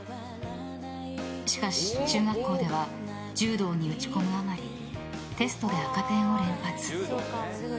しかし、中学校では柔道に打ち込むあまりテストで赤点を連発。